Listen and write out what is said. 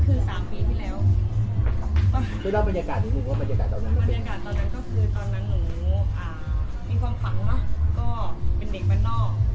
บรรยากาศตอนนั้นก็คือตอนนั้นหนูอ่ามีความฝังนะก็เป็นเด็กบ้านนอก